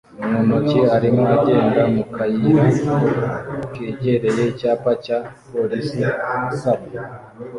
mu ntoki arimo agenda mu kayira kegereye icyapa cya polisi asaba